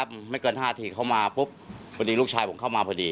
สมัยว่านี้ตัวลูกชายผมเข้ามาพอดี